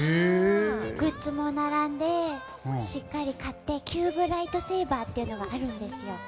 グッズも並んで、しっかり買ってキューブライトセーバーというのがあるんですよ。